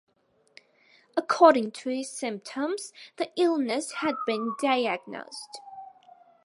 According to his symptoms, the illness had been diagnosed.